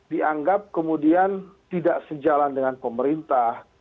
dianggap kemudian tidak sejalan dengan pemerintah